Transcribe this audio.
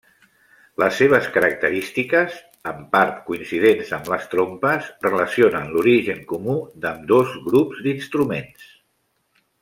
Les seves característiques, en part coincidents amb les trompes, relacionen l'origen comú d'ambdós grups d'instruments.